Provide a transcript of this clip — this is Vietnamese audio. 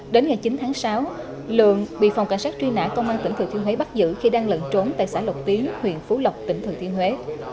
đến ngày chín tháng sáu lượng bị phòng cảnh sát truy nã công an tỉnh thừa thiên huế bắt giữ khi đang lận trốn tại xã lộc tiến huyện phú lộc tỉnh thừa thiên huế